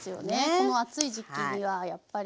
この暑い時期にはやっぱり。